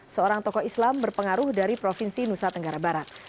seorang tokoh islam berpengaruh dari provinsi nusa tenggara barat